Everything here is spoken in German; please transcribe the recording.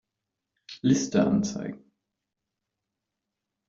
Liste anzeigen.